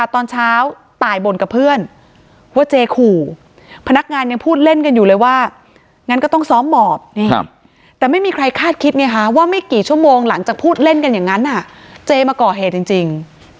แต่ไม่มีใครคาดคิดไงคะว่าไม่กี่ชั่วโมงหลังจากพูดเล่นกันอย่างนั้นน่ะเจมาก่อเหตุจริง